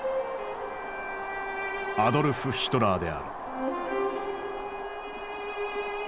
アドルフ・ヒトラーである。